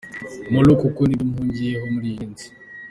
Molo kuko nibyo mpugiyeho muri iyi minsi.